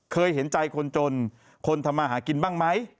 เคยเห็นใจคนจนคนทำมาหากินบ้างไหม